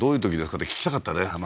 って聞きたかったね